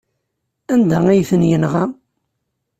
Anda ay ten-yenɣa?